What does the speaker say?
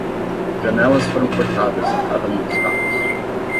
Janelas foram cortadas em cada um dos carros.